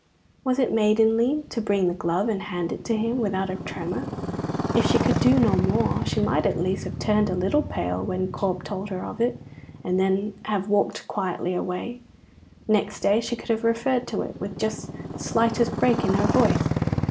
Was it maidenly to bring the glove and hand it to him without a tremor? If she could do no more, she might at least have turned a little pale when Corp told her of it, and then have walked quietly away. Next day she could have referred to it, with just the slightest break in her voice.